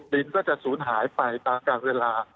ดินก็จะสูญหายไปตามการเวลา